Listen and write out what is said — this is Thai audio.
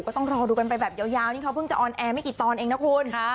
ก็ต้องรอดูกันไปแบบยาวนี่เขาเพิ่งจะออนแอร์ไม่กี่ตอนเองนะคุณ